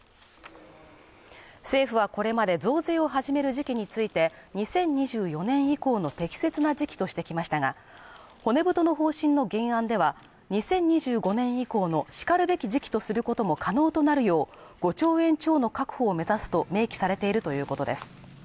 政府はこれまで増税を始める時期について２０２４年以降の適切な時期としてきましたが、骨太の方針の原案では、２０２５年以降のしかるべき時期とすることも可能となるよう、５兆円強の確保を目指すと明記されているということです。